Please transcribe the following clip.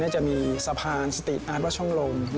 จะมีสะพานสตีทอาร์ตว่าช่องลม